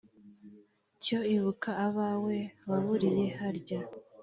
Cyo ibuka abawe waburiye harya